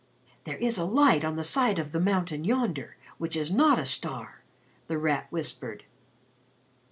"There is a light on the side of the mountain yonder which is not a star," The Rat whispered.